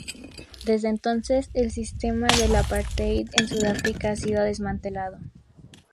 Desde entonces, el sistema del apartheid en Sudáfrica ha sido desmantelado.